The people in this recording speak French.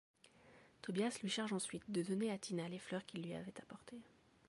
Tobias lui charge ensuite de donner à Tina les fleurs qu'il lui avait apportées.